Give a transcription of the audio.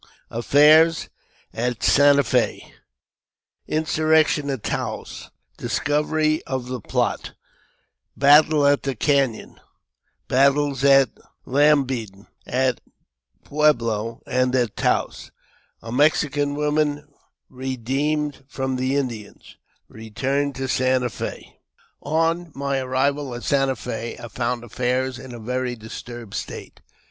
Affairs at Santa Fe — Insurrection at Taos — Discovery of the Plot — Battle at the Canon — Battles at Lambida, at Pueblo, and at Taos — A Mexican Woman redeemed from the Indians — Eeturn to Santa Fe. ON my arrival at Santa Fe I found affairs in a very dis turbed state.